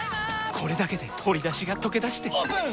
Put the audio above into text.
これだけで鶏だしがとけだしてオープン！